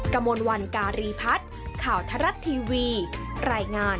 กระมวลวันการีพัฒน์ข่าวทรัฐทีวีรายงาน